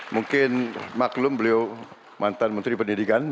mungkin maklum beliau mantan menteri pendidikan